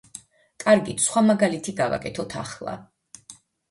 კარგით, სხვა მაგალითი გავაკეთოთ ახლა.